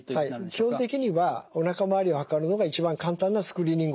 基本的にはおなか周りを測るのが一番簡単なスクリーニング方法ですね。